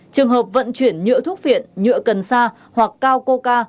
trường hợp vận chuyển nhựa thuốc phiện nhựa cần sa hoặc cao coca